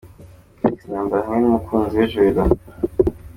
Felix Ntambara hamwe n'umukunzi we Joella.